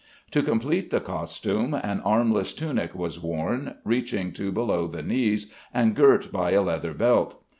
To complete the costume, an armless tunic was worn, reaching to below the knees and girt by a leather belt.